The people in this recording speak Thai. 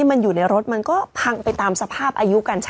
มีรถท่ามาก่อน